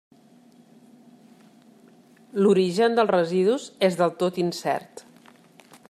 L'origen dels residus és del tot incert.